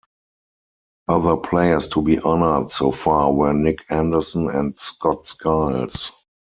Other players to be honored so far were Nick Anderson and Scott Skiles.